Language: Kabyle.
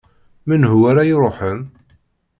Menhu ara iruḥen?